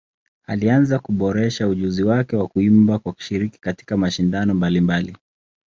Alianza kuboresha ujuzi wake wa kuimba kwa kushiriki katika mashindano mbalimbali.